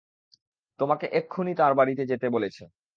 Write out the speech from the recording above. তোমাকে এক্ষুনি তাঁর বাড়িতে যেতে বলেছে।